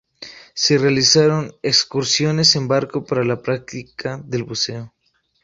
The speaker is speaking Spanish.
Se realizan excursiones en barco para la práctica del buceo.